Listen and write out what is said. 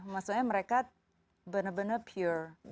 maksudnya mereka benar benar pure